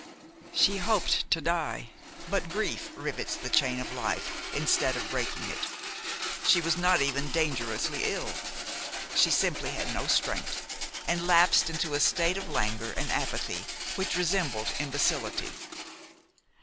She hoped to die; but grief rivets the chain of life instead of breaking it. She was not even dangerously ill; she simply had no strength, and lapsed into a state of languor and apathy which resembled imbecility.